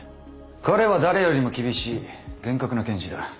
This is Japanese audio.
彼は誰よりも厳しい厳格な検事だ。